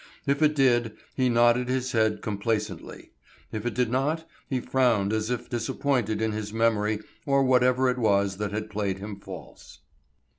If it did, he nodded his head complacently. If it did not, he frowned as if disappointed in his memory or whatever it was that had played him false.